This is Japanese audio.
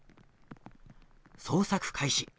捜索開始。